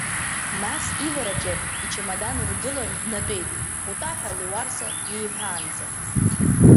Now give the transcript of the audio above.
Нас, ивараҿы ичамадан ргылан днатәеит, утәа ҳәа Леуарса иеиҳәаанӡа.